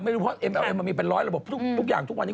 ไม่รู้วะไม่รู้ไม่ได้